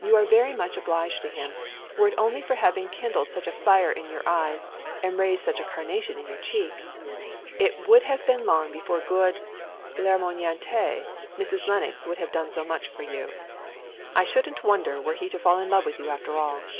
You are very much obliged to him, were it only for having kindled such a fire in your eyes, and raised such a carnation in your cheek. It would have been long before good larmoyante, Mrs. Lennox would have done as much for you. I shouldn't wonder were he to fall in love with you after all."